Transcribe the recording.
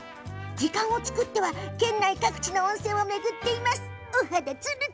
時間を作っては県内各地の温泉を巡っています。